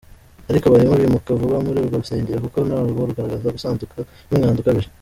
Ariko barimo bimuka vuba muri urwo rusengero kuko narwo rugaragaza gusaduka n'umwanda ukabije.